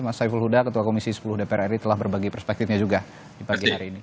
mas saiful huda ketua komisi sepuluh dpr ri telah berbagi perspektifnya juga di pagi hari ini